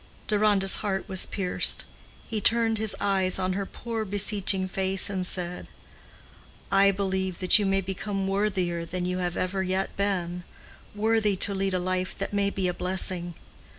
Deronda's heart was pierced. He turned his eyes on her poor beseeching face and said, "I believe that you may become worthier than you have ever yet been—worthy to lead a life that may be a blessing.